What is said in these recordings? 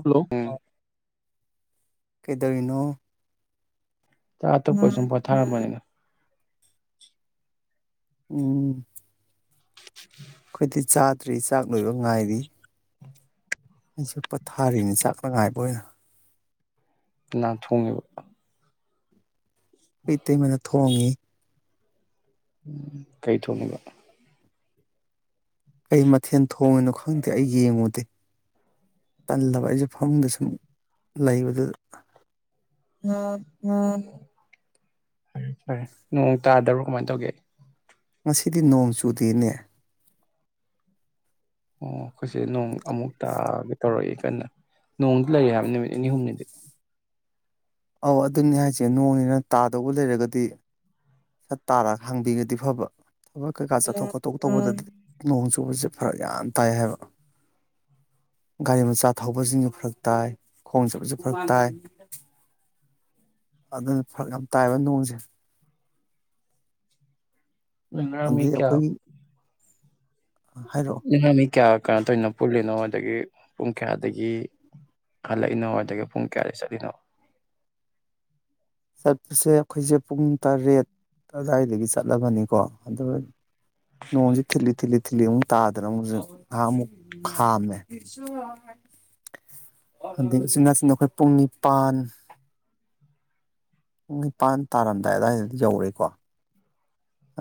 hello ꯎꯝ ꯀꯩꯗꯧꯔꯤꯅꯣ ꯆꯥꯇꯣꯛꯄꯩ ꯁꯨꯝ ꯄꯣꯊꯥꯔꯝꯕꯅꯤꯗ ꯎꯝ ꯑꯩꯈꯣꯏꯗꯤ ꯆꯥꯗ꯭ꯔꯤ ꯆꯥꯛ ꯂꯣꯏꯕ ꯉꯥꯏꯔꯤ ꯑꯩꯁꯨ ꯄꯣꯊꯥꯔꯤꯅꯤ ꯆꯥꯛꯀꯥꯉꯥꯏꯕ ꯑꯣꯏꯅ ꯀꯥꯅꯥꯅ ꯊꯣꯡꯉꯤꯕ ꯏꯇꯩꯃꯥꯅ ꯊꯣꯡꯉꯤ ꯎꯝ ꯀꯩ ꯊꯣꯡꯉꯤꯕ ꯀꯩ ꯃꯊꯦꯜ ꯊꯣꯡꯉꯤꯅꯣ ꯈꯪꯗꯦ ꯑꯩ ꯌꯦꯡꯉꯨꯗꯦ ꯇꯜꯂꯕ ꯑꯩꯁꯨ ꯐꯃꯨꯡꯗ ꯁꯨꯝ ꯂꯩꯕꯗꯨꯗ ꯐꯔꯦ ꯐꯔꯦ ꯅꯣꯡ ꯇꯥꯗꯕ꯭ꯔꯣ ꯀꯃꯥꯏꯅ ꯇꯧꯒꯦ ꯉꯥꯁꯤꯗꯤ ꯅꯣꯡ ꯆꯨꯗꯦꯅꯦ ꯑꯣ ꯑꯩꯈꯣꯏꯁꯦ ꯅꯣꯡ ꯑꯃꯨꯛ ꯇꯥꯒꯦ ꯇꯧꯔꯛꯏ ꯀꯟꯅ ꯅꯣꯡꯗꯤ ꯂꯩꯌꯦ ꯍꯥꯏꯕꯅꯦ ꯅꯨꯃꯤꯠ ꯅꯤꯅꯤ ꯍꯨꯝꯅꯤꯗꯤ ꯑꯧ ꯑꯗꯨꯅꯦ ꯍꯥꯏꯁꯦ ꯅꯣꯡꯅꯦꯅ ꯇꯥꯗꯧꯕ ꯂꯩꯔꯒꯗꯤ ꯁꯠ ꯇꯥꯔꯒ ꯍꯥꯡꯕꯤꯔꯗꯤ ꯐꯕ ꯊꯕꯛ ꯀꯩꯀꯥ ꯆꯠꯊꯣꯛ ꯅꯣꯏ ꯈꯣꯠꯇꯣꯛꯄ ꯇꯧꯕꯗꯗꯤ ꯅꯣꯡ ꯆꯨꯕꯁꯦ ꯐꯔꯛ ꯌꯥꯝ ꯇꯥꯏ ꯍꯥꯏꯕ ꯒꯥꯔꯤ ꯃꯆꯥ ꯊꯧꯕꯁꯤꯡꯁꯨ ꯐꯔꯛ ꯇꯥꯏ ꯈꯣꯡ ꯆꯠꯄꯁꯨ ꯐꯔꯛ ꯇꯥꯏ ꯑꯗꯨꯅ ꯐꯔꯛ ꯌꯥꯝ ꯇꯥꯏꯕ ꯅꯣꯡꯁꯦ ꯅꯣꯢ ꯉꯥꯔꯥꯡ ꯃꯤ ꯑꯗꯩ ꯀꯌꯥ ꯑꯩꯈꯣꯏꯒꯤ ꯍꯥꯏꯔꯛꯑꯣ ꯅꯣꯢ ꯉꯥꯔꯥꯡ ꯃꯤ ꯀꯌꯥ ꯀꯩꯅꯣ ꯇꯧꯔꯤꯅꯣ ꯄꯨꯜꯂꯤꯅꯣꯕ ꯑꯗꯒꯤ ꯄꯨꯡ ꯀꯌꯥꯗꯒꯤ ꯍꯜꯂꯛꯏꯅꯣꯕ ꯑꯗꯒꯤ ꯄꯨꯡ ꯀꯌꯥꯗꯒꯤ ꯆꯠꯂꯤꯅꯣ ꯆꯠꯄꯁꯦ ꯑꯩꯈꯣꯏꯁꯦ ꯄꯨꯡ ꯇꯔꯦꯠ ꯑꯗꯨꯋꯥꯏꯗꯒꯤ ꯆꯠꯂꯕꯅꯦꯀꯣ ꯑꯗꯨꯒ ꯅꯣꯡꯁꯤ ꯇꯤꯠꯂꯤꯠ ꯊꯤꯠꯂꯤ ꯊꯤꯠꯂꯤ ꯑꯃꯨꯛ ꯇꯥꯗꯅ ꯑꯃꯨꯛꯁꯨ ꯉꯥꯍꯥꯛꯑꯃꯨꯛ ꯈꯥꯝꯃꯦ ꯑꯗꯒꯤ ꯎꯆꯤꯟꯅꯥꯆꯤꯟꯅ ꯑꯩꯈꯣꯏ ꯄꯨꯡ ꯅꯤꯄꯥꯟ ꯄꯨꯡ ꯅꯤꯄꯥꯟ ꯇꯥꯔꯝꯗꯥꯏ ꯑꯗꯋꯥꯏꯗꯗꯤ ꯌꯧꯔꯦꯀꯣ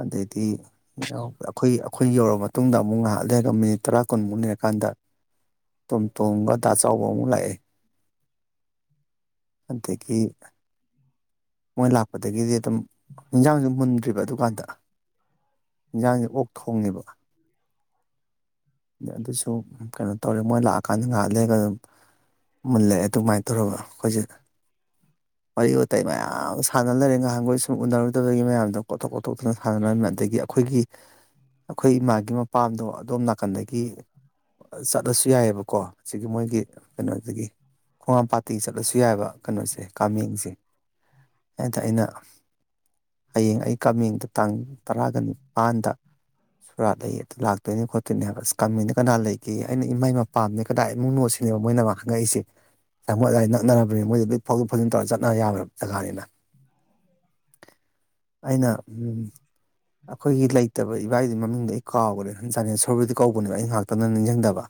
ꯑꯗꯩꯗꯤ ꯑꯩꯈꯣꯏ ꯑꯩꯈꯣꯏ ꯌꯧꯔꯕ ꯃꯇꯨꯡꯗ ꯑꯃꯨꯛ ꯉꯍꯥꯛ ꯂꯩꯔꯒ ꯃꯤꯅꯤꯠ ꯇꯔꯥ ꯀꯨꯟꯃꯨꯛ ꯂꯩꯔꯀꯥꯟꯗ ꯇꯣꯝ ꯇꯣꯝꯒ ꯗꯥ ꯆꯥꯎꯕ ꯑꯃꯨꯛ ꯂꯥꯛꯑꯦ ꯑꯗꯒꯤ ꯃꯣꯏ ꯂꯥꯛꯄꯗꯒꯤꯗꯤ ꯑꯗꯨꯝ ꯍꯤꯟꯖꯥꯡꯁꯨ ꯃꯨꯟꯗ꯭ꯔꯤꯕ ꯑꯗꯨꯀꯥꯟꯗ ꯍꯤꯟꯖꯥꯡꯁꯦ ꯑꯣꯛ ꯊꯣꯡꯉꯦꯕ ꯑꯗꯨꯁꯨ ꯀꯩꯅꯣ ꯇꯧꯔꯦ ꯃꯣꯏ ꯂꯥꯛꯑꯀꯥꯟꯗ ꯉꯥꯏꯍꯥꯛ ꯂꯩꯔꯒ ꯑꯗꯨꯝ ꯃꯨꯜꯂꯛꯑꯦ ꯑꯗꯨꯃꯥꯏꯅ ꯇꯧꯔꯒ ꯑꯩꯈꯣꯏꯁꯦ ꯋꯥꯔꯤ ꯋꯥꯇꯥꯏ ꯃꯌꯥꯝ ꯁꯥꯟꯅ ꯂꯩꯔꯦ ꯉꯥꯍꯥꯟꯒꯣꯏ ꯁꯨꯝ ꯎꯅꯔꯨꯗꯕꯒꯤ ꯃꯌꯥꯝꯗꯣ ꯀꯣꯠꯊꯣꯛ ꯀꯣꯊꯣꯛꯇꯅ ꯁꯥꯟꯅꯔꯝꯃꯦ ꯑꯗꯒꯤ ꯑꯩꯈꯣꯏꯒꯤ ꯑꯩꯈꯣꯏ ꯏꯃꯥꯒꯤ ꯃꯄꯥꯝꯗꯣ ꯑꯗꯣꯝ ꯅꯥꯛ ꯀꯟꯗꯒꯤ ꯆꯠꯂꯁꯨ ꯌꯥꯏꯌꯦꯕꯀꯣ ꯑꯁꯤꯒꯤ ꯃꯣꯏꯒꯤ ꯀꯩꯅꯣꯗꯒꯤ ꯈꯣꯡꯉꯥꯝꯄꯥꯥꯠꯇꯒꯤ ꯆꯠꯂꯁꯨ ꯌꯥꯏꯌꯦꯕ ꯀꯩꯅꯣꯁꯦ ꯀꯥꯃꯦꯡꯁꯦ ꯑꯗꯥ ꯑꯩꯅ ꯍꯌꯦꯡ ꯑꯩ ꯀꯥꯃꯦꯡꯗ ꯇꯥꯡ ꯇꯔꯥꯒ ꯅꯤꯄꯥꯟꯗ ꯁꯣꯔꯥꯠ ꯂꯩ ꯑꯗꯨ ꯂꯥꯛꯇꯣꯏꯅꯦ ꯈꯣꯠ ꯇꯤꯅꯦꯕꯁ ꯀꯥꯟꯃꯤꯅ ꯀꯅꯥ ꯂꯩꯒꯦꯌꯦ ꯑꯩꯅ ꯏꯃꯥꯢ ꯃꯄꯥꯝꯅꯦ ꯀꯅꯥꯏ ꯏꯃꯨꯡꯅꯣ ꯁꯤꯅꯦꯕ ꯃꯣꯏꯅ ꯃꯥ ꯍꯪꯉꯛꯏꯁꯦ ꯃꯣꯏ ꯑꯗꯥꯢ ꯅꯛꯅꯔꯕꯅꯦ ꯃꯣꯏꯗꯣ ꯂꯣꯏ ꯐꯥꯎꯗꯣꯛ ꯐꯥꯎꯖꯤꯟ ꯇꯧꯔ ꯆꯠꯅ ꯌꯥꯕ ꯖꯒꯥꯅꯦꯅ ꯑꯩꯅ ꯎꯝ ꯑꯩꯈꯣꯏꯒꯤ ꯂꯩꯇꯕ ꯏꯕꯥꯏꯗꯨ ꯃꯃꯤꯡꯗꯣ ꯑꯩ ꯀꯥꯎꯈ꯭ꯔꯦ ꯍꯟꯖꯅꯦ ꯁꯣ ꯀꯧꯕꯨꯗꯤ ꯀꯧꯕꯅꯦꯕ ꯑꯩ ꯉꯥꯛꯇꯅ ꯅꯤꯡꯁꯤꯡꯗꯕ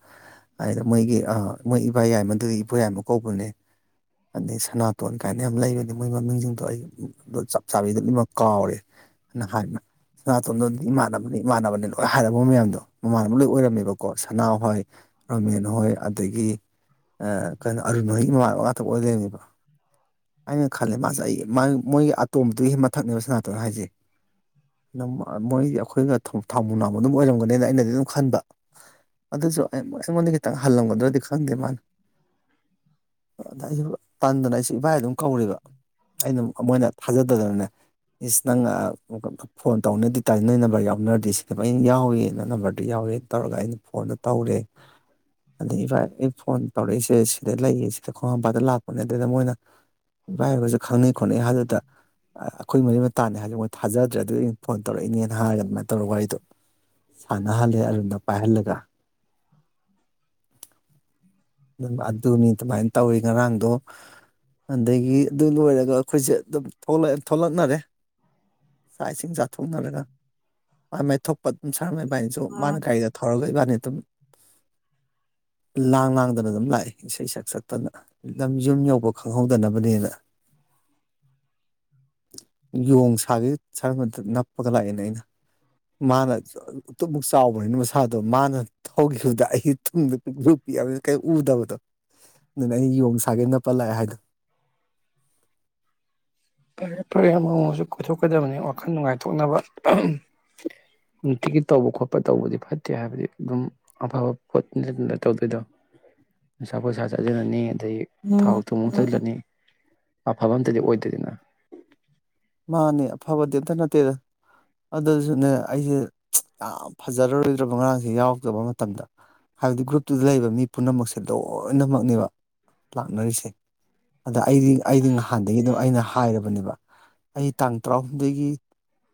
ꯃꯣꯏꯒꯤ ꯑꯥ ꯃꯣꯏ ꯏꯕꯥꯏ ꯌꯥꯏꯃ ꯗꯩ ꯏꯕꯣꯌꯥꯏꯃ ꯀꯧꯕꯅꯦ ꯑꯗꯩ ꯁꯅꯥꯇꯣꯟ ꯀꯥꯏꯅ ꯌꯥꯝ ꯂꯩꯕꯅꯦ ꯃꯣꯏ ꯃꯃꯤꯡꯁꯤꯡꯗꯣ ꯑꯩ ꯑꯗꯨ ꯆꯞ ꯆꯥꯕꯤ ꯏꯃꯛ ꯀꯥꯎꯔꯦ ꯍꯥꯏꯕꯅ ꯁꯅꯥꯇꯣꯟꯗꯨꯗꯤ ꯏꯃꯥꯟꯅꯕꯅꯦ ꯏꯃꯥꯟꯅꯕꯅꯦ ꯂꯣꯏ ꯍꯥꯏꯔꯕ ꯃꯌꯥꯝꯗꯣ ꯃꯃꯥꯟꯅꯕ ꯂꯣꯏ ꯑꯣꯏꯔꯝꯃꯦꯕꯀꯣ ꯁꯅꯥꯍꯣꯏ ꯔꯣꯃꯦꯟ ꯍꯣꯏ ꯑꯗꯒꯤ ꯑꯥ ꯀꯩꯅꯣ ꯑꯔꯨꯟ ꯍꯣꯏꯒꯤ ꯃꯃꯥꯟꯅꯕ ꯉꯥꯛ ꯑꯣꯏ ꯂꯩꯔꯝꯃꯦꯕ ꯑꯩꯅ ꯈꯜꯂꯦ ꯃꯥꯁꯦ ꯑꯩ ꯃꯣꯏꯒꯤ ꯑꯇꯣꯝꯕꯗꯨꯒꯤ ꯃꯊꯛꯅꯦꯕ ꯁꯅꯥꯇꯣꯟ ꯍꯥꯏꯁꯦ ꯃꯣꯏꯒ ꯑꯩꯈꯣꯏꯒ ꯊꯧꯃꯨ ꯅꯥꯎꯃꯨ ꯑꯗꯨꯝ ꯑꯣꯏꯔꯝꯒꯅꯤꯅ ꯑꯩꯅ ꯑꯗꯨꯝ ꯈꯟꯕ ꯑꯗꯨꯁꯨ ꯑꯩ ꯑꯩꯉꯣꯟꯗꯩ ꯈꯤꯇꯪ ꯍꯜꯂꯝꯒꯗ꯭ꯔꯗꯤ ꯈꯪꯗꯦ ꯃꯥꯅ ꯑꯗ ꯑꯩꯁꯨ ꯇꯟꯗꯅ ꯑꯩꯁꯨ ꯏꯕꯥꯏ ꯑꯗꯨꯝ ꯀꯧꯔꯦꯕ ꯑꯩꯅ ꯗꯨꯝ ꯃꯣꯏꯅ ꯊꯥꯖꯗꯗꯅꯅꯦ ꯏꯁ ꯅꯪꯅ ꯐꯣꯟ ꯇꯧꯅꯦ ꯑꯗꯨꯏ ꯇꯥꯔꯗꯤ ꯅꯣꯏ ꯅꯝꯕꯔ ꯌꯥꯎꯅꯔꯗꯤ ꯁꯤꯅꯦꯕ ꯑꯩꯅ ꯌꯥꯎꯋꯦꯅ ꯅꯝꯕꯔ ꯌꯥꯎꯔꯦ ꯇꯧꯔꯒ ꯑꯩꯅ ꯐꯣꯟꯗꯣ ꯇꯧꯔꯦ ꯑꯗꯩ ꯏꯚꯥꯏ ꯑꯩꯩꯅ ꯐꯣꯟ ꯇꯧꯔꯛꯏꯁꯦ ꯁꯤꯗ ꯂꯩꯌꯦ ꯁꯤꯗ ꯈꯣꯡꯉ ꯑꯗꯥ ꯂꯥꯛꯄꯅꯦ ꯑꯗꯩꯩꯗ ꯃꯣꯏꯅ ꯏꯕꯥꯥꯏ ꯍꯣꯏꯒꯁꯨ ꯈꯪꯅꯩ ꯈꯣꯠꯅꯩ ꯍꯥꯢꯗꯨꯗ ꯑꯩꯈꯣꯏ ꯃꯔꯤ ꯃꯇꯥꯅꯦ ꯍꯥꯏꯖꯕꯋ ꯃꯣꯏ ꯊꯥꯖ ꯑꯗꯨ ꯐꯣꯟ ꯇꯧꯔꯛꯏꯅꯦꯅ ꯍꯥꯏꯔꯒ ꯑꯗꯨꯃꯥꯏ ꯇꯧꯔꯒ ꯋꯥꯔꯤꯗꯣ ꯁꯅ ꯇꯍꯜꯂꯦ ꯑꯔꯨꯟꯗꯣ ꯄꯥꯏꯍꯜꯂꯒ ꯑꯗꯨ ꯑꯗꯨꯅꯤ ꯑꯗꯨꯃꯥꯏꯅ ꯇꯧꯋꯤ ꯉꯔꯥꯡꯗꯣ ꯑꯗꯒꯤ ꯑꯗꯨ ꯂꯣꯏꯔꯒ ꯑꯩꯈꯣꯏꯁꯦ ꯑꯗꯨꯝ ꯊꯣꯛꯂꯛꯅꯔꯦ ꯆꯥꯛ ꯏꯁꯤꯡ ꯆꯥꯊꯣꯛꯅꯔꯒ ꯃꯥꯏ ꯃꯥꯏ ꯊꯣꯛꯄ ꯑꯗꯨꯝ ꯁꯔ ꯏꯕꯥꯅꯤꯁꯨ ꯃꯥꯅ ꯒꯔꯤꯗꯣ ꯊꯧꯔꯒ ꯏꯕꯥꯅꯤ ꯑꯗꯨꯝ ꯂꯥꯡ ꯂꯥꯡꯗꯅ ꯑꯗꯨꯝ ꯂꯥꯛꯑꯦ ꯏꯁꯩ ꯁꯛ ꯁꯛꯇꯅ ꯅꯪ ꯌꯨꯝ ꯌꯧꯕ ꯈꯪꯍꯧꯗꯅꯕꯅꯦꯅ ꯌꯣꯡ ꯁꯥꯒꯩ ꯁꯔꯃꯗ ꯅꯞꯄꯒ ꯂꯥꯛꯑꯦꯅ ꯑꯩꯅ ꯃꯥꯅ ꯎꯇꯨꯞꯃꯨꯛ ꯆꯥꯎꯕꯅꯤꯅ ꯃꯁꯥꯗꯣ ꯃꯥꯅ ꯊꯧꯈꯤꯕꯗ ꯑꯩ ꯇꯨꯡꯗ ꯄꯤꯛꯇ꯭ꯔꯨ ꯄꯤꯛꯑꯝꯅꯤꯅ ꯀꯦꯝ ꯎꯗꯕꯗꯣ ꯑꯗꯨꯅ ꯑꯩꯅ ꯌꯣꯡ ꯁꯥꯒꯩ ꯅꯞꯄ ꯂꯥꯛꯑꯦ ꯍꯥꯏꯗꯣ ꯐꯔꯦ ꯐꯔꯦ ꯑꯃꯨꯃꯨꯛꯁꯨ ꯀꯣꯏꯊꯣꯛꯀꯗꯕꯅꯤ ꯋꯥꯈꯜ ꯅꯨꯡꯉꯥꯏꯊꯣꯛꯅꯕ ꯅꯨꯡꯇꯤꯒꯤ ꯇꯧꯕ ꯈꯣꯠꯄ ꯇꯧꯕꯗꯤ ꯐꯠꯇꯦ ꯍꯥꯏꯕꯗꯤ ꯑꯗꯨꯝ ꯑꯐꯕ ꯄꯣꯠꯅꯠ ꯇꯧꯗꯣꯏꯗꯣ ꯅꯤꯁꯥ ꯄꯁꯥ ꯆꯥꯁꯤꯜꯂꯅꯤ ꯑꯗꯒꯤ ꯊꯥꯎ ꯊꯨꯝ ꯃꯨꯛ ꯆꯥꯖꯜꯂꯅꯤ ꯑꯐꯕ ꯑꯝꯇꯗꯤ ꯑꯣꯏꯗꯦ ꯃꯥꯅꯦ ꯑꯐꯕꯗꯤ ꯑꯝꯇ ꯅꯠꯇꯦꯗ ꯑꯗꯨꯁꯨꯅꯦ ꯑꯩ ꯌꯥꯝ ꯐꯖꯔꯔꯣꯏꯗ꯭ꯔꯕ ꯉꯔꯥꯡꯁꯦ ꯌꯥꯎꯗꯕ ꯃꯇꯝꯗ ꯍꯥꯏꯕꯗꯤ ꯒ꯭ꯔꯨꯞꯇꯨꯗ ꯂꯩꯕ ꯃꯤ ꯄꯨꯝꯅꯃꯛꯁꯦ ꯂꯣꯏꯅꯃꯛꯅꯦꯕ ꯂꯥꯛꯅꯔꯤꯁꯦ ꯑꯗ ꯑꯩꯗꯤ ꯑꯩꯗꯤ ꯅꯍꯥꯟꯗꯒꯤ ꯑꯗꯨꯝ ꯑꯩꯅ ꯍꯥꯏꯔꯕꯅꯦꯕ ꯑꯩ ꯇꯥꯡ ꯇꯔꯥꯍꯨꯝꯣꯏꯗꯒꯤ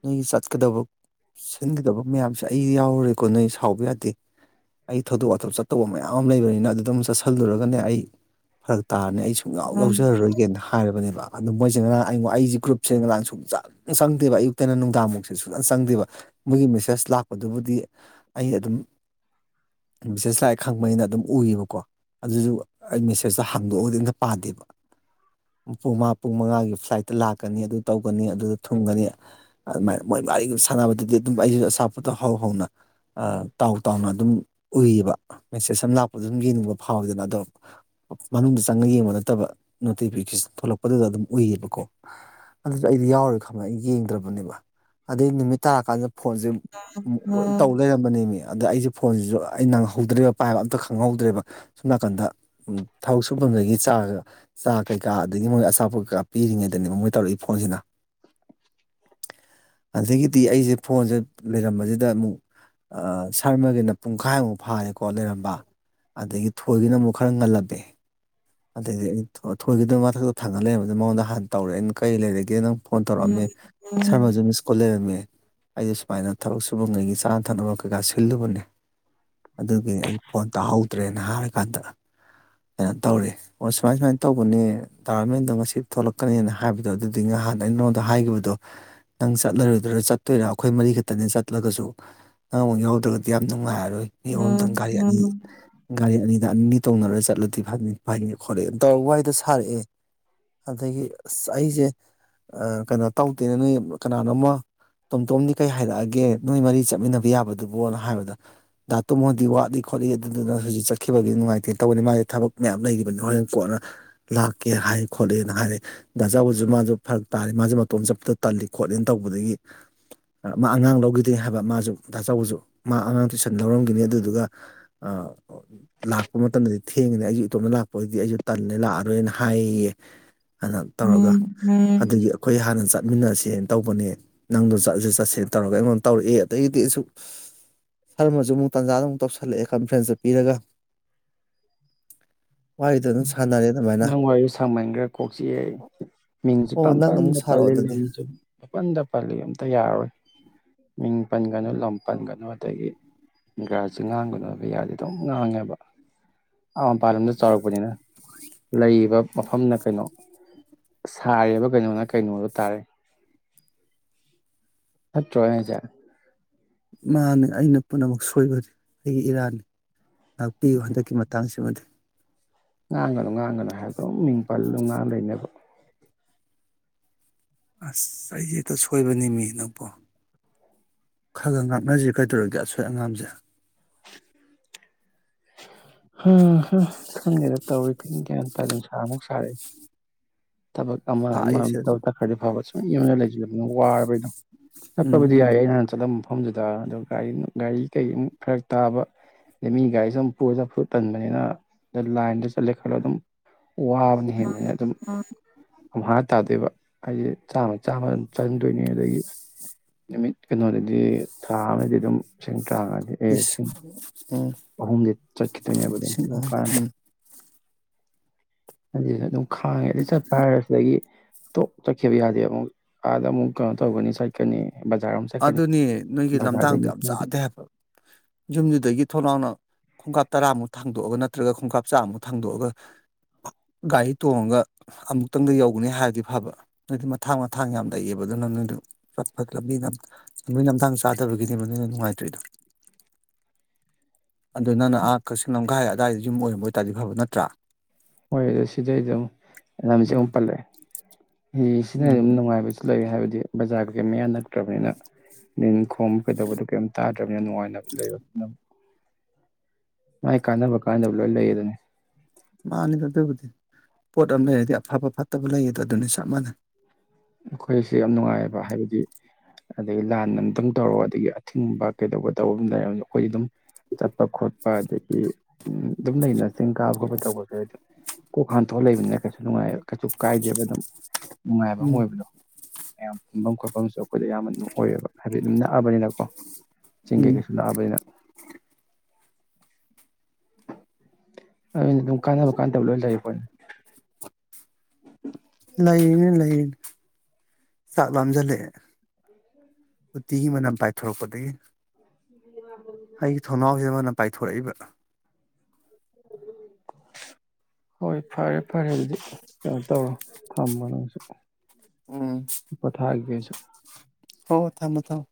ꯅꯣꯏꯒꯤ ꯆꯠꯀꯗꯕ ꯁꯤꯟꯒꯗꯕ ꯃꯌꯥꯝꯁꯦ ꯑꯩ ꯌꯥꯎꯔꯥꯔꯣꯏꯀꯣ ꯅꯣꯏ ꯁꯥꯎꯕ ꯌꯥꯗꯦ ꯑꯩ ꯊꯧꯗꯣꯛ ꯋꯥꯊꯣꯛ ꯆꯠꯇꯧꯕ ꯃꯌꯥꯝ ꯑꯃ ꯂꯩꯕꯅꯤꯅ ꯑꯗꯨꯗ ꯑꯃꯨꯛ ꯆꯠꯁꯜꯂꯨꯔꯒꯅꯦ ꯑꯩ ꯐꯔꯛ ꯇꯥꯔꯅꯤ ꯑꯩ ꯁꯨꯡꯌꯥꯎ ꯌꯥꯎꯖꯔꯔꯣꯏꯒꯦꯅ ꯍꯥꯏꯔꯕꯅꯦꯕ ꯑꯗꯨ ꯃꯣꯏꯁꯤ ꯉꯔꯥꯡ ꯑꯩ ꯑꯩꯁꯤ ꯒ꯭ꯔꯨꯞ ꯁꯦꯟ ꯉ ꯂꯥꯡ ꯁꯨꯡꯆ ꯆꯪꯗꯦꯕ ꯑꯌꯨꯛꯇꯩꯅ ꯅꯨꯡꯗꯥꯡꯃꯨꯛꯁꯦ ꯁꯨꯡꯆꯅ ꯆꯪꯗꯦꯕ ꯃꯣꯏꯒꯤ ꯃꯦꯁꯦꯖ ꯂꯥꯛꯄꯗꯨꯕꯨꯗꯤ ꯑꯩ ꯑꯗꯨꯝ ꯃꯦꯁꯦꯖ ꯂꯥꯛꯑꯦ ꯈꯪꯕꯩꯅꯤꯅ ꯑꯗꯨꯝ ꯎꯏꯌꯦꯕꯀꯣ ꯑꯗꯨꯁꯨ ꯑꯩ ꯃꯦꯁꯦꯖꯇꯣ ꯍꯥꯡꯗꯣꯛꯑꯒꯗꯤ ꯑꯝꯇ ꯄꯥꯗꯦꯕ ꯄꯨꯡ ꯃꯡ ꯄꯨꯡ ꯃꯉꯥꯒꯤ ꯑꯁꯥꯏꯗ ꯂꯥꯛ ꯂꯥꯛꯀꯅꯤ ꯑꯗꯨ ꯇꯧꯒꯅꯤ ꯑꯗꯨ ꯊꯨꯡꯒꯅꯤ ꯑꯗꯨꯃꯥꯏꯅ ꯃꯣꯏ ꯃꯔꯤꯒ ꯁꯥꯟꯅꯕꯗꯗꯤ ꯑꯗꯨꯝ ꯑꯩꯁꯨ ꯑꯆꯥꯥꯄꯣꯠꯇꯣ ꯍꯧ ꯍꯧꯅ ꯇꯥꯎ ꯇꯥꯎꯅ ꯑꯗꯨꯝ ꯎꯏꯌꯦꯕ ꯃꯦꯁꯦꯖ ꯑꯃ ꯂꯥꯛꯄꯗ ꯑꯗꯨꯝ ꯌꯦꯡꯅꯤꯡꯕ ꯐꯥꯎꯋꯤꯗꯅ ꯑꯗꯣ ꯃꯅꯨꯡꯗ ꯆꯪꯉ ꯌꯦꯡꯕ ꯅꯠꯇꯕ ꯅꯣꯇꯤꯐꯤꯀꯦꯁꯟ ꯊꯣꯛꯂꯛꯄꯗꯨꯗ ꯑꯗꯨꯝ ꯎꯏꯌꯦꯕꯀꯣ ꯑꯗꯨꯁꯨ ꯑꯩꯗꯤ ꯌꯥꯎꯔꯔꯣꯏ ꯈꯪꯕ ꯑꯩ ꯌꯦꯡꯗ꯭ꯔꯕꯅꯦꯕ ꯑꯗꯩ ꯅꯨꯃꯤꯠ ꯇꯔꯀꯥꯟꯗ ꯐꯣꯟꯁꯦ ꯑꯃꯨꯛ ꯂꯣꯏ ꯇꯧ ꯂꯩꯔꯝꯕꯅꯦꯃꯤ ꯑꯗ ꯑꯩꯁꯦ ꯐꯣꯟꯁꯤꯁꯨ ꯑꯩ ꯅꯪꯍꯧꯗ꯭ꯔꯦꯕ ꯄꯥꯏꯕ ꯑꯝꯇ ꯈꯪꯍꯧꯗ꯭ꯔꯦꯕ ꯁꯣꯝꯅꯥꯀꯟꯗ ꯊꯕꯛ ꯁꯨꯐꯝꯗꯒꯤ ꯆꯥ ꯆꯥ ꯀꯩꯀꯥ ꯑꯗꯩ ꯃꯣꯏ ꯑꯆꯥꯄꯣꯠ ꯀꯩꯀꯥ ꯄꯤꯔꯤꯉꯩꯗ ꯀꯩꯅꯣꯝ ꯃꯣꯏ ꯇꯧꯔꯛꯏ ꯐꯣꯟꯁꯤꯅ ꯑꯗꯒꯤꯗꯤ ꯑꯩꯁꯦ ꯐꯣꯟꯁꯦ ꯂꯩꯔꯝꯕꯁꯤꯗ ꯑꯃꯨꯛ ꯑꯥ ꯁꯥꯔꯃꯔꯤꯅ ꯄꯨꯡꯈꯥꯏꯃꯨꯛ ꯐꯥꯔꯦꯀꯣ ꯂꯩꯔꯝꯕ ꯑꯗꯒꯤ ꯊꯣꯏꯒꯤꯅ ꯑꯃꯨꯛ ꯈꯔ ꯉꯜꯂꯝꯃꯦ ꯑꯗꯒꯤꯗꯤ ꯑꯩ ꯊꯣꯏꯒꯤꯗ ꯃꯊꯛꯇ ꯊꯪꯉ ꯂꯩꯔꯝꯕꯗꯨꯗ ꯃꯉꯣꯟꯗ ꯍ ꯇꯧꯔꯦ ꯀꯩ ꯂꯩꯔꯒꯦ ꯅꯪ ꯐꯣꯟ ꯇꯧꯔꯛꯑꯝꯃꯤ ꯁꯔꯃꯖꯨ ꯃꯤꯁꯀꯣꯜ ꯂꯩꯔꯝꯃꯦ ꯑꯩꯗꯤ ꯁꯨꯃꯥꯏꯅ ꯊꯕꯛ ꯁꯨꯕꯉꯩꯒꯤ ꯆꯥꯅ ꯊꯛꯅꯕ ꯀꯩꯀꯥ ꯁꯤꯜꯂꯨꯕꯅꯦ ꯑꯗꯨꯒꯤ ꯑꯩ ꯐꯣꯟ ꯇꯥꯍꯧꯗ꯭ꯔꯦꯅ ꯍꯥꯏꯔꯀꯥꯟꯗ ꯀꯩꯅꯣ ꯇꯧꯔꯦ ꯑꯣ ꯁꯨꯃꯥꯏ ꯁꯨꯃꯥꯏꯅ ꯇꯧꯕꯅꯦ ꯇꯥꯃꯦꯟꯗꯣ ꯉꯥꯁꯤ ꯊꯣꯛꯂꯛ ꯀꯅꯦꯅ ꯍꯥꯏꯕꯗꯣ ꯑꯗꯨꯗꯨꯏ ꯅꯍꯥꯟ ꯑꯩꯅ ꯅꯉꯣꯟꯗ ꯍꯥꯏꯈꯤꯕꯗꯣ ꯅꯪ ꯆꯠꯂꯔꯣꯏꯗ꯭ꯔ ꯆꯠꯇꯣꯏꯔꯥ ꯑꯩꯈꯣꯏ ꯃꯔꯤ ꯈꯛꯇꯅꯦ ꯆꯠꯂꯒꯁꯨ ꯅꯪ ꯑꯃꯨꯛ ꯌꯥꯎꯗ꯭ꯔꯒꯗꯤ ꯌꯥꯝ ꯅꯨꯡꯉꯥꯏ [unintelligible] ꯒꯥꯔꯤ ꯑꯅꯤ ꯒꯥꯔꯤ ꯑꯅꯤ ꯑꯅꯤꯅꯤ ꯇꯣꯡꯅꯔ ꯆꯠꯂꯗꯤ ꯐꯅꯤ ꯐꯅꯤ ꯈꯣꯠꯂꯛꯑꯦ ꯇꯧꯔ ꯋꯥꯔꯤꯗꯣ ꯁꯥꯔꯛꯑꯦ ꯑꯗꯒꯤ ꯑꯁ ꯑꯩꯁꯦ ꯑꯥ ꯀꯩꯅꯣ ꯇꯧꯗꯦꯅ ꯅꯣꯏ ꯀꯅꯥꯅꯣꯃ ꯇꯣꯝ ꯇꯣꯝꯗꯤ ꯀꯩ ꯍꯥꯏꯔꯛꯑꯒꯦ ꯅꯣꯏ ꯃꯔꯤ ꯆꯠꯃꯤꯟꯅꯕ ꯌꯥꯕꯗꯨꯕꯨꯅ ꯍꯥꯏꯕꯗ ꯗ ꯇꯣꯃꯣꯗꯤ ꯋꯥꯠꯂꯤ ꯈꯣꯠꯂꯤ ꯑꯗꯨꯗꯨꯅ ꯍꯧꯖꯤꯛ ꯆꯠꯈꯤꯔꯣꯏꯒꯦ ꯅꯨꯡꯉꯥꯏꯇꯦ ꯇꯧꯕꯅꯤ ꯃꯥꯗꯤ ꯊꯕꯛ ꯃꯌꯥꯝ ꯂꯩꯔꯤꯕꯅꯤ ꯍꯣꯔꯦꯟ ꯀꯣꯟꯅ ꯂꯥꯛꯀꯦ ꯍꯥꯏ ꯈꯣꯠꯂꯦꯅ ꯍꯥꯏꯔꯛ ꯗꯥꯆꯥꯎꯕꯁꯨ ꯃꯥꯁꯨ ꯐꯔꯛ ꯇꯥꯔꯦ ꯃꯥꯖꯨ ꯃꯇꯣꯝ ꯆꯠꯄꯗꯣ ꯇꯜꯂꯤ ꯈꯣꯠꯂꯤꯅ ꯇꯧꯕꯗꯒꯤ ꯃꯥ ꯑꯉꯥꯡ ꯂꯧꯈꯤꯗꯤ ꯍꯥꯏꯕ ꯃꯥꯁꯨ ꯗꯥ ꯆꯥꯎꯕꯁꯨ ꯃꯥ ꯑꯉꯥꯡ ꯇꯨꯏꯁꯟ ꯂꯧꯔꯝꯈꯤꯅꯤ ꯑꯗꯨꯗꯨꯒ ꯑꯥ ꯑꯣ ꯂꯥꯛꯄ ꯃꯇꯝꯗꯗꯤ ꯊꯦꯡꯉꯤꯗꯅ ꯑꯩꯖꯨ ꯏꯇꯣꯝꯗ ꯂꯥꯛꯄꯑꯣꯏꯗꯤ ꯑꯩꯁꯨ ꯇꯜꯂꯦ ꯂꯥꯛꯑꯔꯣꯏꯅ ꯍꯥꯏꯌꯦꯌꯦ ꯇꯧꯔꯒ ꯑꯗꯨꯒꯤ ꯑꯩꯈꯣꯏ ꯍꯥꯟꯅ ꯆꯠ ꯆꯠꯃꯤꯟꯅꯁꯦꯅ ꯇꯧꯕꯅꯦ ꯅꯪꯗꯣ ꯆꯠꯂꯁꯦ ꯆꯠꯁꯦꯅ ꯇꯧꯔꯒ ꯑꯩꯉꯣꯟ ꯇꯧꯔꯛꯑꯦ ꯑꯗꯩꯗꯤ ꯑꯁꯨ ꯁꯔꯃꯁꯨ ꯑꯃꯨꯛ ꯇꯟꯖꯥꯗꯨꯗ ꯑꯃꯨꯛ ꯇꯧꯁꯜꯂꯛꯑꯦ ꯀꯟꯐ꯭ꯔꯦꯟꯁꯇꯣ ꯄꯤꯔꯒ ꯋꯥꯔꯤꯗꯣ ꯑꯗꯨꯝ ꯁꯥꯟꯅꯔꯦ ꯑꯗꯨꯃꯥꯏꯅ ꯅꯪ ꯋꯥꯔꯤ ꯁꯥꯡꯃꯟꯒ꯭ꯔꯦ ꯀꯣꯛ ꯆꯤꯛꯑꯦ ꯑꯩ ꯃꯤꯡꯁꯨ ꯑꯣ ꯅꯪ ꯑꯃꯨꯛ ꯄꯪꯄꯟꯗ ꯁꯥꯔꯛꯑꯣ ꯄꯜꯂꯦ ꯑꯗꯨꯗꯤ ꯂꯝꯁꯨ ꯄꯪꯄꯟꯗ ꯄꯜꯂꯦ ꯑꯝꯇ ꯌꯥꯔꯣꯏ ꯃꯤꯡ ꯄꯟꯒꯅꯨ ꯂꯝ ꯄꯟꯒꯅꯨ ꯑꯗꯒꯤ ꯒ꯭ꯔꯥꯁꯨ ꯉꯥꯡꯒꯅꯣꯕ ꯌꯥꯗꯦ ꯑꯗꯨꯝ ꯉꯥꯡꯉꯦꯕ ꯑꯥ ꯃꯄꯥꯟ ꯂꯝꯗ ꯆꯥꯎꯔꯛꯄꯅꯤꯅ ꯂꯩꯔꯤꯕ ꯃꯐꯝꯅ ꯀꯩꯅꯣ ꯁꯥꯔꯤꯕ ꯀꯩꯅꯣꯅ ꯀꯩꯅꯣꯗ ꯇꯥꯔꯦ ꯅꯠꯇ꯭ꯔꯣ ꯑꯩꯍꯥꯏꯁꯦ ꯃꯥꯅꯦ ꯑꯩꯅ ꯄꯨꯝꯅꯃꯛ ꯁꯣꯏꯕꯅꯤ ꯑꯩꯒꯤ ꯏꯔꯥꯟꯅꯤ ꯉꯥꯛꯄꯤꯌꯨ ꯍꯟꯗꯛꯀꯤ ꯃꯇꯥꯡꯁꯤꯃꯗꯤ ꯉꯥꯡꯒꯅꯨ ꯉꯥꯡꯒꯅꯨ ꯍꯥꯏꯗꯣ ꯑꯗꯨꯝ ꯃꯤꯡ ꯄꯜꯂꯑꯗꯨꯝ ꯉꯥꯡ ꯂꯩꯅꯕ ꯑꯁ ꯑꯩꯁꯦ ꯍꯦꯛꯇ ꯁꯣꯏꯕꯅꯤ ꯃꯤ ꯅꯪꯄꯣ ꯈꯔ ꯈꯔ ꯉꯥꯛꯅꯁꯤ ꯀꯩꯗꯧꯔꯒꯦ ꯑꯁꯣꯏ ꯑꯉꯥꯝꯁꯦ ꯍꯥ ꯍꯥ ꯈꯪꯉꯦꯗ ꯇꯧꯔꯤꯁꯦ ꯒ꯭ꯌꯥꯟ ꯇꯥꯗꯦ ꯅꯨꯡꯁꯥꯃꯨꯛ ꯁꯥ ꯊꯕꯛ ꯑꯃ ꯑꯃ ꯁꯥꯏꯁꯦ ꯑꯝꯇ ꯍꯧꯖꯤꯛ ꯇꯛꯈ꯭ꯔꯗꯤ ꯐꯥꯕꯁꯨ ꯌꯨꯝꯗ ꯂꯩꯁꯤꯂꯕꯅꯤꯅ ꯋꯥꯔꯕ ꯑꯩꯗꯣ ꯆꯠꯄꯕꯨꯗꯤ ꯎꯝ ꯌꯥꯏ ꯑꯩꯅ ꯍꯥꯅ ꯆꯠꯂꯝꯕ ꯃꯐꯝꯗꯨꯗ ꯑꯗꯣ ꯒꯥꯔꯤ ꯒꯥꯔꯤ ꯀꯩ ꯑꯃꯨꯛ ꯐꯔꯛ ꯇꯥꯕ ꯑꯗꯩꯒꯤ ꯃꯤ ꯒꯥꯔꯤꯁꯨ ꯑꯃꯨꯛ ꯄꯨꯔ ꯆꯠꯄꯗꯣ ꯇꯟꯕꯅꯤꯅ ꯑꯗ ꯂꯥꯏꯟꯗ ꯆꯠꯂꯦ ꯈꯜꯂꯣ ꯑꯗꯨꯝ ꯋꯥꯕꯅ ꯍꯦꯕꯅꯤꯅꯥ ꯑꯗꯨꯝ ꯑꯃꯨ ꯍꯥ ꯇꯥꯗꯦꯕ ꯑꯩꯁꯦ ꯆꯥꯝꯃ ꯆꯥꯝꯃ ꯑꯗꯨꯝ ꯆꯪꯗꯣꯏꯅꯤ ꯑꯗꯒꯤ ꯅꯨꯃꯤꯠ ꯀꯩꯅꯣꯗꯗꯤ ꯊꯥ ꯑꯃꯗꯤ ꯑꯗꯨꯝ ꯇꯔꯥꯃꯉꯥꯗꯤ ꯂꯩꯑꯦ ꯂꯤꯁꯤꯡ ꯎꯝ ꯑꯍꯨꯝꯗꯤ ꯆꯠꯈꯤꯗꯣꯏꯅꯦꯕ ꯑꯗꯨꯝ ꯂꯤꯁꯤꯡ ꯑꯗꯨꯅ ꯑꯍꯨꯝ ꯎꯝ ꯀꯥꯅꯗꯕ ꯍꯥꯌꯦꯡ ꯑꯗꯨꯝ ꯈꯥꯏꯔꯒ ꯆꯠ ꯁꯤꯗꯒꯤ ꯇꯣꯛ ꯆꯠꯈꯤꯕ ꯌꯥꯗꯦꯕ ꯑꯃꯨꯛ ꯑꯥꯗ ꯑꯃꯨꯛ ꯀꯩꯅꯣ ꯇꯧꯒꯅꯤ ꯆꯠꯀꯅꯤ ꯕꯖꯥꯔ ꯑꯃꯨꯛ ꯆꯠꯀꯅꯤ ꯑꯗꯨꯅꯦ ꯅꯣꯏꯒꯤ ꯕꯖꯥꯔꯗꯩ ꯂꯝꯊꯥꯡꯗꯣ ꯌꯥꯝ ꯆꯥꯗꯦ ꯍꯥꯏꯕ ꯌꯨꯝꯗꯨꯗꯒꯤ ꯊꯣꯡꯅꯥꯥꯎꯎꯅ ꯈꯣꯡꯀꯥꯞ ꯇꯔꯥꯃꯨꯛ ꯊꯥꯡꯗꯣꯛꯑꯒ ꯅꯠꯇ꯭ꯔꯒ ꯈꯣꯡꯀꯥꯞ ꯆꯥꯃꯨꯛ ꯊꯥꯡꯗꯣꯛꯑꯒ ꯒꯥꯔꯤ ꯇꯣꯡꯉꯒ ꯑꯃꯨꯛꯇꯪꯗ ꯌꯧꯒꯅꯤ ꯍꯥꯏꯔꯗꯤ ꯐꯕ ꯅꯣꯏꯗꯤ ꯃꯊꯥꯡ ꯃꯊꯥꯡ ꯌꯥꯝ ꯂꯩꯑꯕ ꯑꯗꯨꯅ ꯅꯣꯏꯗꯣ ꯆꯠꯄꯗ ꯃꯤꯅ ꯂꯝꯕꯤ ꯂꯝꯗꯥꯡ ꯆꯥꯗꯕꯒꯤꯅꯦ ꯅꯣꯏꯅ ꯅꯨꯡꯉꯥꯏꯇ꯭ꯔꯤꯗꯣ ꯑꯗꯨ ꯅꯪꯅ ꯑꯥ ꯀꯛꯆꯤꯡ ꯂꯝꯈꯥꯏ ꯑꯗꯨꯋꯥꯏꯗ ꯌꯨꯝ ꯑꯣꯏꯔꯝꯕ ꯑꯣꯏꯇꯥꯔꯗꯤ ꯐꯕ ꯅꯠꯇ꯭ꯔꯥ ꯍꯣꯏ ꯁꯤꯗꯩꯑꯗꯨꯝ ꯂꯝꯁꯦ ꯎꯝ ꯑꯃꯨꯛ ꯄꯜꯂꯛꯑꯦ ꯁꯤꯅ ꯎꯝ ꯑꯗꯨꯝ ꯅꯨꯡꯉꯥꯏꯕꯁꯨ ꯂꯩ ꯍꯥꯏꯕꯗꯤ ꯗꯤ ꯕꯖꯥꯔ ꯀꯩ ꯀꯩꯝꯌꯥ ꯅꯛꯇ꯭ꯔꯨꯕꯅꯤꯅ ꯅꯤꯟ ꯈꯣꯡꯕ ꯀꯩꯗꯧꯕꯗꯣ ꯀꯩꯝ ꯇꯥꯗ꯭ꯔꯕꯅꯤꯅ ꯅꯨꯡꯉꯥꯏꯅ ꯂꯩꯕ ꯃꯥꯏ ꯀꯥꯟꯅꯕ ꯀꯥꯟꯗꯕ ꯂꯣꯏ ꯂꯩ ꯑꯗꯨꯅꯤ ꯃꯥꯅꯤꯗ ꯑꯗꯨꯕꯨꯗꯤ ꯄꯣꯠ ꯑꯃ ꯂꯩꯔꯗꯤ ꯑꯐꯕ ꯐꯠꯇꯕ ꯂꯩꯌꯦꯗꯣ ꯑꯗꯨꯅꯤ ꯆꯞ ꯃꯥꯟꯅꯩ ꯑꯩꯈꯣꯏꯁꯦ ꯌꯥꯝ ꯅꯨꯡꯉꯥꯏꯕ ꯍꯥꯏꯕꯗꯤ ꯑꯗꯒꯤ ꯂꯥꯟ ꯑꯝꯨꯛꯇꯪ ꯇꯧꯔꯛꯑꯗ ꯑꯊꯤꯡꯕ ꯀꯩꯗꯧꯕ ꯇꯧ ꯑꯗꯨꯃ ꯂꯩ ꯑꯩꯈꯣꯏ ꯑꯗꯨꯝ ꯆꯠꯄ ꯈꯣꯠꯄ ꯑꯗꯒꯤ ꯑꯗꯨꯝ ꯂꯩꯅ ꯆꯤꯡ ꯀꯥꯕ ꯈꯣꯠꯄ ꯇꯧꯕ ꯌꯥꯏ ꯀꯣꯛ ꯍꯥꯟ ꯇꯣꯟ ꯂꯩꯕꯅꯤꯅ ꯀꯩꯁꯨ ꯅꯨꯡꯉꯥꯏꯑꯕ ꯀꯩꯁꯨ ꯀꯥꯏꯗꯦ ꯑꯗꯨꯝ ꯅꯨꯡꯉꯥꯏꯕ ꯑꯃ ꯎꯝ ꯑꯣꯏ ꯃꯌꯥꯝ ꯄꯨꯟꯐꯝ ꯈꯣꯠꯐꯝꯁꯨ ꯑꯩꯈꯣꯏꯗ ꯑꯌꯥꯝꯕ ꯑꯗꯨꯝ ꯑꯣꯏꯌꯦꯕ ꯍꯥꯏꯕꯗꯤ ꯑꯗꯨꯝ ꯅꯛꯑꯕꯅꯤꯅꯀꯣ ꯆꯤꯡ ꯎꯝ ꯀꯩꯀꯩꯁꯨ ꯅꯛꯑꯕꯅꯤꯅ [inaudible] ꯑꯗꯨꯃ ꯀꯥꯟꯕꯀꯥꯟꯗꯕ ꯂꯣꯏ ꯂꯩꯔꯤ ꯄꯣꯠꯅꯤ [inaudible] ꯂꯩꯅꯤ ꯂꯩꯅꯤ ꯆꯥꯛ ꯂꯝꯁꯤꯜꯂꯛꯑꯦ ꯎꯇꯤꯒꯤ ꯃꯅꯝ ꯄꯥꯏꯊꯣꯔꯛꯄꯗꯒꯤ ꯑꯩ ꯊꯣꯡꯅꯥꯎꯖꯤꯗ ꯃꯅꯝ ꯄꯥꯏꯊꯣꯔꯛꯏꯕ ꯍꯣꯏ ꯐꯔꯦ ꯐꯔꯦ ꯑꯗꯨꯗꯤ ꯀꯩꯅꯣ ꯇꯧꯔꯣ ꯊꯝꯃꯣꯅꯪꯁꯨ ꯎꯝ ꯄꯊꯒꯤꯒꯦ ꯑꯩꯁꯨ ꯍꯣ ꯊꯝꯃꯣ ꯊꯥꯝꯃꯣ